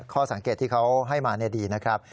ข้อสังเกตที่เขาให้มาดีนะครับ